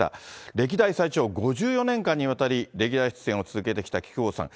歴代最長５４年間にわたりレギュラー出演を続けてきた木久扇さん。